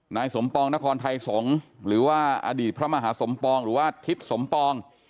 นายสมปองนครไทยสงฆ์หรือว่าอดีตพระมหาสมปองหรือว่าทิศสมปอง